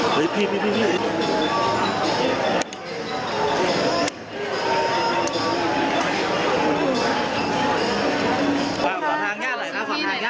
สอบทางย่าหน่อยนะสอบทางย่าหน่อยครับไม่หรอก